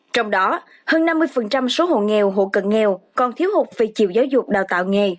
trong đó hơn năm mươi số hộ nghèo hộ cận nghèo còn thiếu hụt về chiều giáo dục đào tạo nghề